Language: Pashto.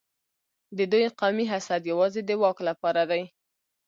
د دوی قومي حسد یوازې د واک لپاره دی.